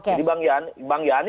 jadi bang yani